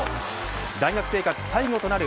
大学生活最後となる